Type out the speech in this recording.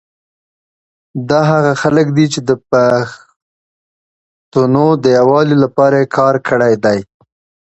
دا هغه خلګ دي چي د پښتونو د یوالي لپاره یي کار کړي دی